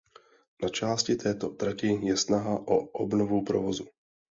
Na části této trati je snaha o obnovu provozu.